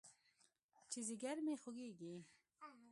چې ځيگر مې خوږېږي.